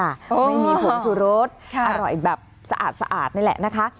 ไม่มีผงสุรสอร่อยแบบสะอาดนี่แหละนะคะ